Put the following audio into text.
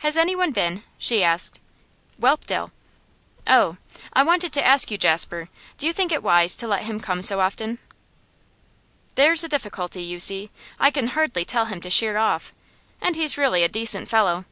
'Has anyone been?' she asked. 'Whelpdale.' 'Oh! I wanted to ask you, Jasper: do you think it wise to let him come quite so often?' 'There's a difficulty, you see. I can hardly tell him to sheer off. And he's really a decent fellow.